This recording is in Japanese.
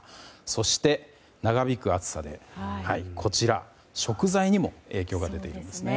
そして長引く暑さで食材にも影響が出ているんです。